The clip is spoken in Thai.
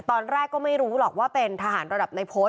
ตอนแรกก็ไม่รู้หรอกว่าเป็นทหารระดับในโพสต์